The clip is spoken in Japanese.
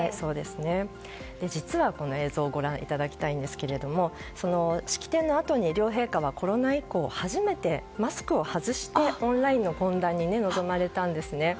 実は、この映像をご覧いただきたいんですけれども式典のあとに両陛下はコロナ以降初めてマスクを外してオンラインの懇談に臨まれたんですね。